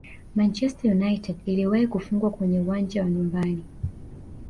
manchester united iliwahi kufungwa kwenye uwanja wa nyumbani